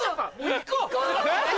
行こう！